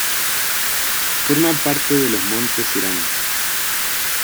Forma parte de los montes Irán.